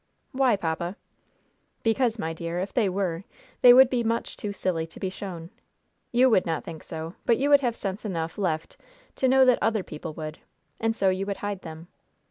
"Why, papa?" "Because, my dear, if they were, they would be much too silly to be shown. You would not think so; but you would have sense enough left to know that other people would; and so you would hide them.